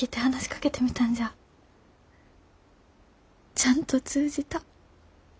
ちゃんと通じた。